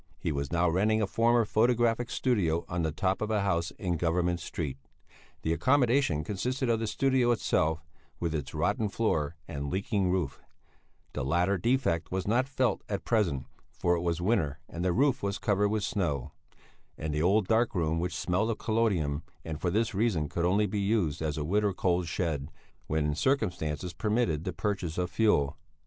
He was now renting a former photographic studio on the top of a house in Government Street. The accommodation consisted of the studio itself, with its rotten floor and leaking roof the latter defect was not felt at present, for it was winter and the roof was covered with snow and the old dark room which smelt of collodium, and for this reason could only be used as a wood or coal shed, when circumstances permitted the purchase of fuel.